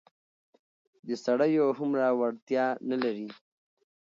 د سړيو هومره وړتيا نه لري.